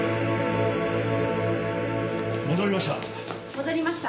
戻りました。